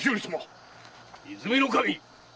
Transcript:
和泉守！